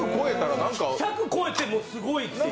１００超えてもすごいっていう。